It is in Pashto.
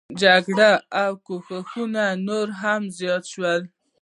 جګړې او ګواښونه نور هم زیات شول